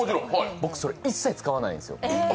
僕それ、一切使わないんですよ。